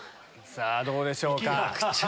さぁどうでしょうか？